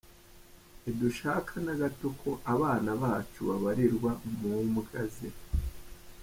Ntidushaka na gato ko abana bacu babarirwa mu mbwa ze.